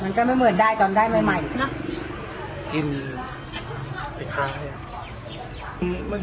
มันก็ไม่เหมือนได้ตอนได้ใหม่ใหม่นะกิน